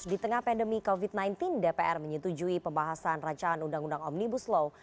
di tengah pandemi covid sembilan belas dpr menyetujui pembahasan rancangan undang undang omnibus law